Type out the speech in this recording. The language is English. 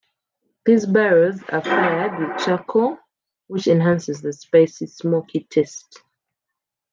These barrels are fired with charcoal, which enhances the spicy, smoky taste.